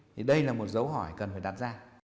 thì đây là một dấu hỏi cần phải đặt ra